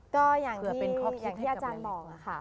ก็อย่างที่อาจารย์บอกค่ะ